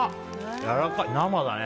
やわらかい、生だね。